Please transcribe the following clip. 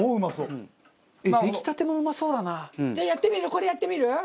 これやってみる？